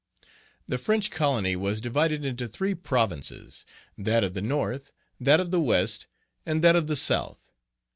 The French colony was divided into three Provinces, that of the North, that of the West, and that of the South.